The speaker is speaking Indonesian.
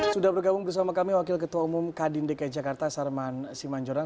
sudah bergabung bersama kami wakil ketua umum kadin dki jakarta sarman simanjorang